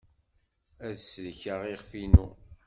Ad sellkeɣ iɣef-inu.